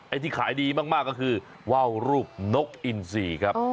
ที่ขายดีมากก็คือว่าวรูปนกอินซีครับ